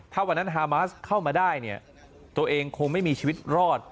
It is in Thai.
ถ้าวันนั้นฮามาสเข้ามาได้เนี่ยตัวเองคงไม่มีชีวิตรอด